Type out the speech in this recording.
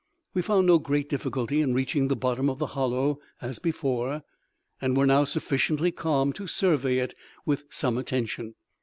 We found no great difficulty in reaching the bottom of the hollow as before, and were now sufficiently calm to survey it with some attention.